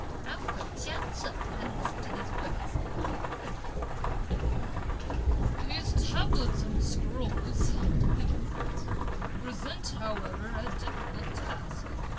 After Chia Cheng had listened to these words, he pondered for a while. "These tablets and scrolls," he remarked, "present however a difficult task.